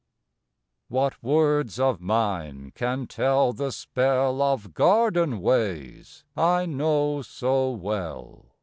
What words of mine can tell the spell Of garden ways I know so well?